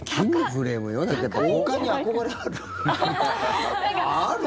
王冠に憧れある？